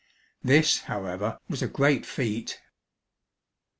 This, however, was a great feat.